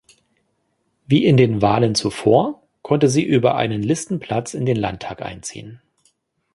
Wie in den Wahlen zuvor konnte sie über einen Listenplatz in den Landtag einziehen.